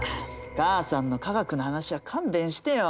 母さんの科学の話は勘弁してよ！